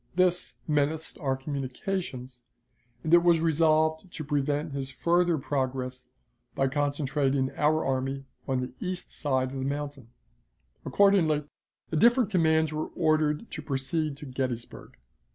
This menaced our communications, and it was resolved to prevent his further progress by concentrating our army on the east side of the mountain. Accordingly, the different commands were ordered to proceed to Gettysburg.